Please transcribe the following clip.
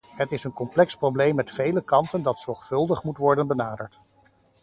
Het is een complex probleem met vele kanten dat zorgvuldig moet worden benaderd.